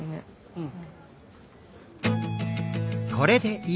うん。